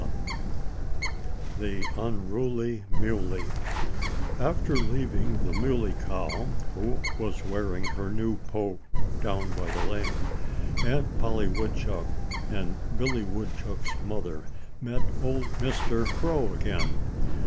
XI THE UNRULY MULEY After leaving the Muley Cow, who was wearing her new poke down by the lane, Aunt Polly Woodchuck and Billy Woodchuck's mother met old Mr. Crow again.